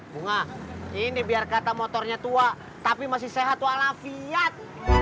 bunga ini biar kata motornya tua tapi masih sehat tuh ala fiat